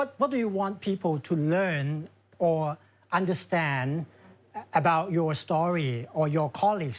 ที่มีผลเข้าใจเหมือนแบบจริง